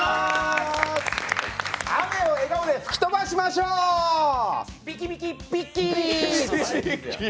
雨を笑顔で吹き飛ばしましょう！ビキビキビッキー。